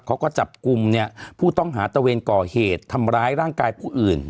เขาก็จับกลุ่มเนี่ยผู้ต้องหาตะเวนก่อเหตุทำร้ายร่างกายผู้อื่น